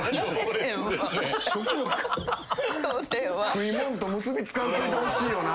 食い物と結び付かんといてほしいよな